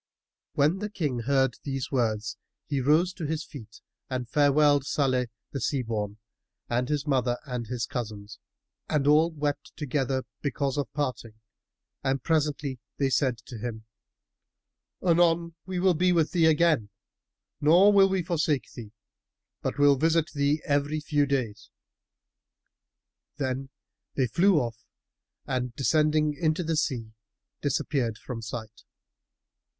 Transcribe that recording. When the King heard these words he rose to his feet and farewelled Salih the Sea born and his mother and his cousins, and all wept together, because of parting and presently they said to him, "Anon we will be with thee again, nor will we forsake thee, but will visit thee every few days." Then they flew off and descending into the sea, disappeared from sight.